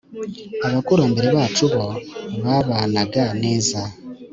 abakurambere bacu bo babanaga neza